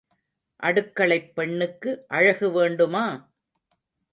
அடுக்களைப் பெண்ணுக்கு அழகு வேண்டுமா?